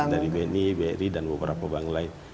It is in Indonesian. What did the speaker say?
dari bni bri dan beberapa bank lain